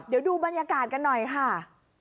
เดี๋ยวดูบรรยากาศกันหน่อยค่ะ